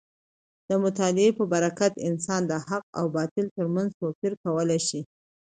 د مطالعې په برکت انسان د حق او باطل تر منځ توپیر کولی شي.